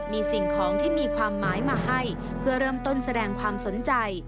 มีสิ่งของที่มีความหมายมาให้เพื่อเริ่มต้นแสดงความสนใจ